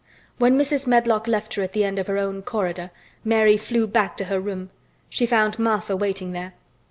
When Mrs. Medlock left her at the end of her own corridor Mary flew back to her room. She found Martha waiting there.